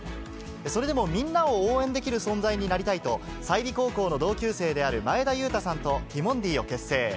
それでもみんなを応援できる存在になりたいと、済美高校の同級生である前田裕太さんとティモンディを結成。